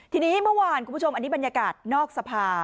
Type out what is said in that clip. ทีนี้เมื่อวานคุณผู้ชมอันนี้บรรยากาศนอกสภา